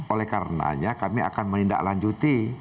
oleh karenanya kami akan menindaklanjuti